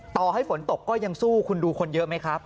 ต่อให้ฝนตกก็ยังสู้คุณดูคนเยอะไหมครับ